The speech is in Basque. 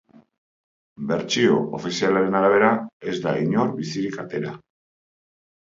Bertsio ofizialaren arabera, ez da inor bizirik atera.